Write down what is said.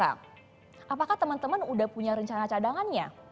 apakah teman teman udah punya rencana cadangannya